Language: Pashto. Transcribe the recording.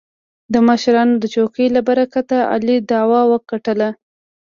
د مشرانو د چوکې له برکته علي دعوه وګټله.